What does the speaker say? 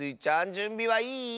じゅんびはいい？